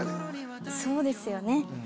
そうですよね。